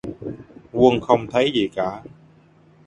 Quân không thấy gì cả